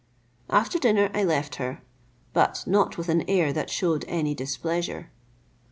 After dinner I left her, but not with an air that shewed any displeasure.